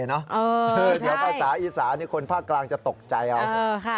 เออใช่คือภาษาอีสานคนภาคกลางจะตกใจเออค่ะ